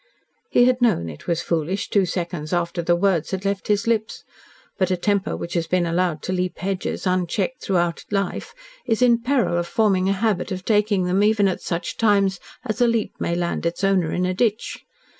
He had known it was foolish two seconds after the words had left his lips. But a temper which has been allowed to leap hedges, unchecked throughout life, is in peril of forming a habit of taking them even at such times as a leap may land its owner in a ditch.